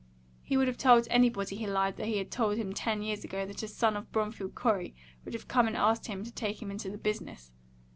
He would have told anybody he lied that had told him ten years ago that a son of Bromfield Corey would have come and asked him to take him into the business.